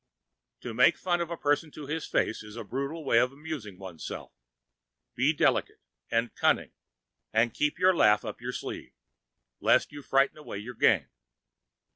To make fun of a person to his face is a brutal way of amusing one's self; be delicate and cunning, and keep your laugh in your sleeve, lest you frighten away your game.